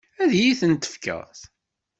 Ad iyi-ten-tefkeḍ?